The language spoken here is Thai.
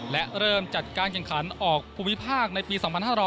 และเริ่มจัดการแข่งขันออกภูมิภาคในปี๒๕๖๐